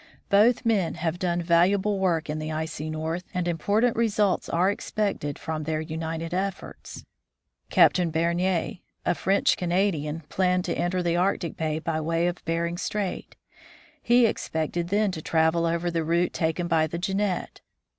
Both men have done valuable work in the icy North, and important results are expected from their united efforts. Captain Bernier, a French Canadian, planned to enter the Arctic by way of Bering strait. He expected then to travel over the route taken by the Jeannette.